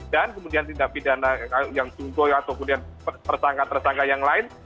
dan kemudian tidak pidana yang sungguh atau kemudian persangka persangka yang lain